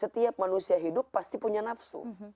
setiap manusia hidup pasti punya nafsu